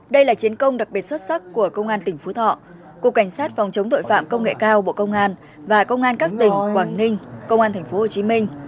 đây là chiến công đặc biệt xuất sắc của công an tỉnh phú thọ cục cảnh sát phòng chống tội phạm công nghệ cao bộ công an và công an các tỉnh quảng ninh công an tp hcm